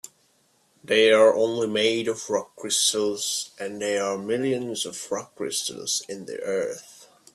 They're only made of rock crystal, and there are millions of rock crystals in the earth.